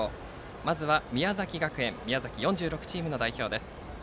まずは宮崎学園宮崎４６チームの代表です。